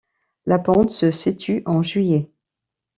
La ponte se situe en juillet.